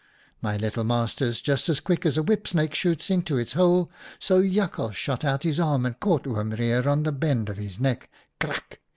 " My little masters, just as quickly as a whip snake shoots into his hole, so Jakhals shot out his arm and caught Oom Reijer on the bend of his neck — crack